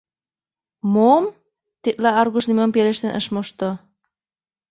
Мом... — тетла Аркуш нимом пелештен ыш мошто.